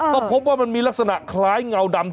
ก็พบว่ามันมีลักษณะคล้ายเงาดำ